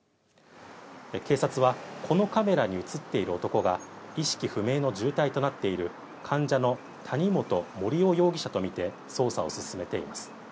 警察はこのカメラに映っている男が意識不明の重体となっている患者の谷本盛雄容疑者とみて捜査を進めています。